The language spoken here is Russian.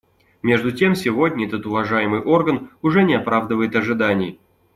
Между тем сегодня этот уважаемый орган уже не оправдывает ожиданий.